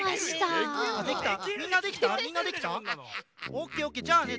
オーケーオーケーじゃあね